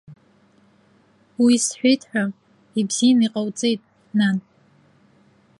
Уи сҳәеит ҳәа, ибзиан иҟауҵеит, нан.